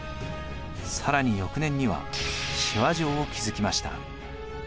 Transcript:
更に翌年には志波城を築きました。